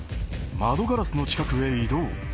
窓ガラスの近くへ移動。